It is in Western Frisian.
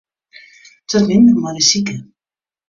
It wurdt minder mei de sike.